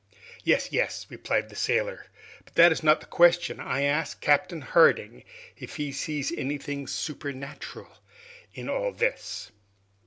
"Yes! yes!" replied the sailor, "but that is not the question. I ask Captain Harding if he sees anything supernatural in all this."